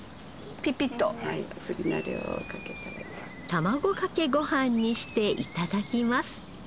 たまごかけご飯にして頂きます